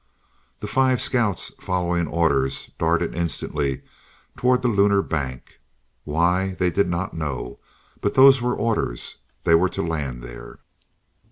The five scouts, following orders, darted instantly toward the Lunar Bank. Why, they did not know. But those were orders. They were to land there.